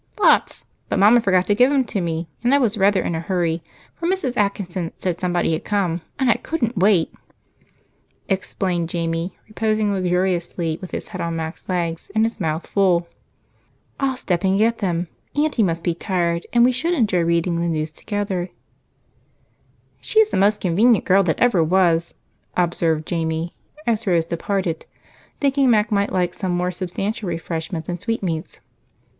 "Lots, but Mama forgot to give 'em to me, and I was rather in a hurry, for Mrs. Atkinson said somebody had come and I couldn't wait," explained Jamie, reposing luxuriously with his head on Mac's legs and his mouth full. "I'll step and get them. Aunty must be tired, and we should enjoy reading the news together." "She is the most convenient girl that ever was," observed Jamie as Rose departed, thinking Mac might like some more substantial refreshment than sweetmeats.